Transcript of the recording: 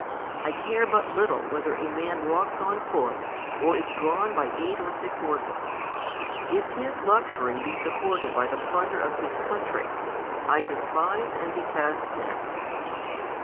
I care but little whether a man walks on foot. Or is drawn by eight or six horses. If his luxury be sup ported by the plunder of his country, I despise and detest him.